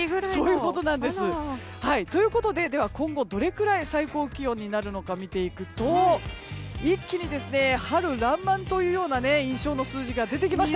そういうことなんです。ということで、今後どれくらいの最高気温になるのか見ていくと一気に春らんまんという印象の数字が出てきました。